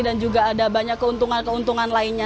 dan juga ada banyak keuntungan keuntungan lainnya